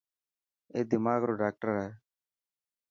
اي دماغ رو ڊاڪٽر هي.